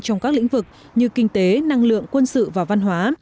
trong các lĩnh vực như kinh tế năng lượng quân sự và văn hóa